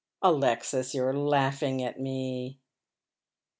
" Alexis ! you are laughing at me."